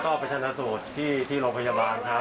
ก็ต้องเอาไปชนะสูตรที่โรงพยาบาลครับ